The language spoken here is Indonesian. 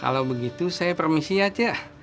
kalau begitu saya permisi ya cuy